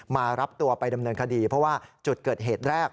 มารับตัวไปดำเนินคดีเพราะว่าจุดเกิดเหตุแรก